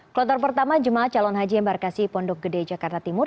kloter pertama jemaah calon haji embarkasi pondok gede jakarta timur